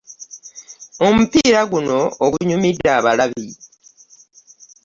Omupiira guno ogunyumidde abalabi